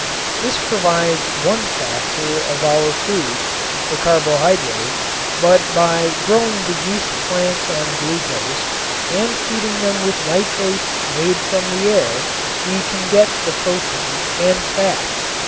This provides one factor of our food, the carbohydrate, but by growing the yeast plants on glucose and feeding them with nitrates made from the air we can get the protein and fat.